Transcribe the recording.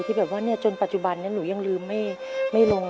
ที่แบบว่าจนปัจจุบันนี้หนูยังลืมไม่ลง